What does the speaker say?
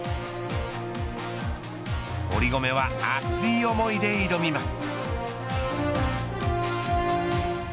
堀米は、熱い思いで挑みます。